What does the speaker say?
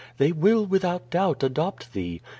They will, without doubt, adopt thee.